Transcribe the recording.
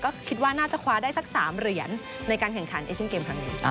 ก็คิดว่าน่าจะคว้าได้สัก๓เหรียญในการแข่งขันเอเชียนเกมครั้งนี้